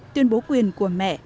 tuyên bố quyền của mẹ